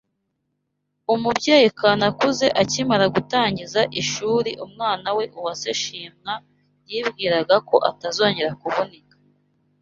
Umubyeyi KANAKUZE akimara gutangiza ishuri umwana we UWASE SHIMWA yibwiragako atazongera kuvunika